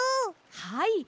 はい。